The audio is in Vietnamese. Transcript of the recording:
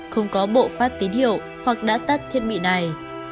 không có bộ phát tín hiệu hoặc đã tắt thiết bị này